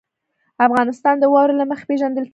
افغانستان د واوره له مخې پېژندل کېږي.